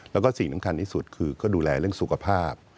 แล้วก็สิ่งสำคัญที่สุดคือก็ดูแลเรื่องสุขภาพ